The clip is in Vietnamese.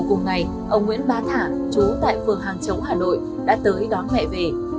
ông nguyễn ba thả chú tại phường hàng châu hà nội đã tới đón mẹ về